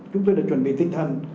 chúng tôi đã chuẩn bị tinh thần